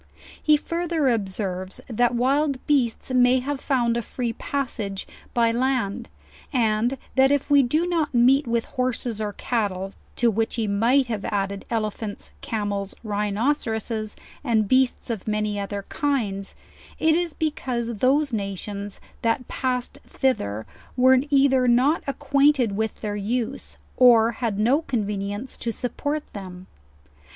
He further observes that wild beasts may have found a free passage by land; and that if we do not meet with horses or cattle (to which he might have added elephants, camels, rhinoceroses, and beasts of many other kinds) it is because those nations that passed thither, were either not acquainted with their use, or had no convenience to support them.